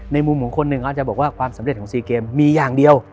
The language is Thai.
มุมของคนหนึ่งอาจจะบอกว่าความสำเร็จของซีเกมมีอย่างเดียว